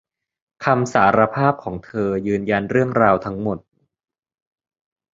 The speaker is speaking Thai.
คำสารภาพของเธอยืนยันเรื่องราวทั้งหมด